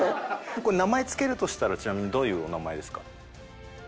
これ名前付けるとしたらちなみにどういうお名前ですか？